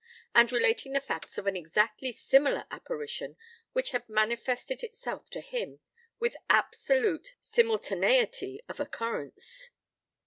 and relating the facts of an exactly similar apparition which had manifested itself to him, with absolute simultaneity of occurrence.